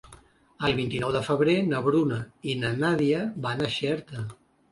El vint-i-nou de febrer na Bruna i na Nàdia van a Xerta.